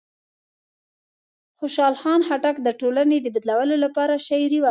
خوشحال خان خټک د ټولنې د بدلولو لپاره شاعري وکړه.